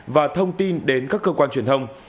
và thông tin đến các cơ quan truyền thông